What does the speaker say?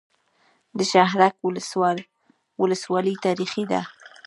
د شهرک ولسوالۍ تاریخي ده